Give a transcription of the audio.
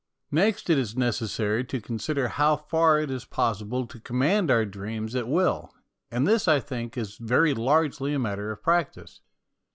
Next it is necessary to consider how far it is possible to command our dreams at will, and this, I think, is very largely a matter of practice.